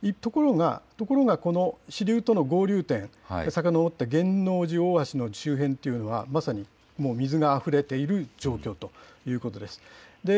ところがこの支流との合流点、さかのぼってげんのうじ大橋の周辺というのは、まさにもう水があふれている状況ということです。